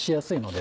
で